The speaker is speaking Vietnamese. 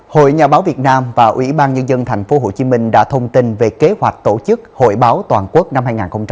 hội nhà báo việt nam và ủy ban nhân dân tp hcm đã thông tin về kế hoạch tổ chức hội báo toàn quốc năm hai nghìn hai mươi bốn